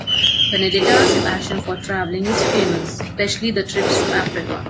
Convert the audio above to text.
Benedetta’s passion for traveling is famous, especially the trips to Africa.